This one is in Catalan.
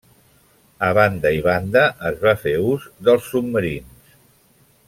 A banda i banda es va fer ús dels submarins.